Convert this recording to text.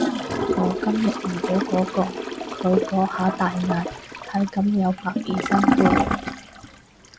我今日遇到嗰個，佢嗰下大嗌體感有百二分貝